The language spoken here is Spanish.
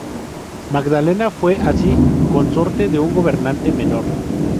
Magdalena fue así consorte de un gobernante menor.